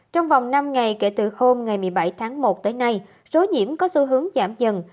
trong vòng năm ngày kể từ hôm ngày một mươi bảy tháng một tới nay số nhiễm có xu hướng giảm dần